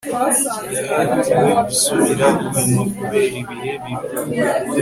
yahatiwe gusubira inyuma kubera ibihe bibi